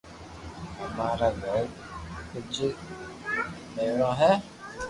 اما رو گھر ڪچو ٺيورو ھي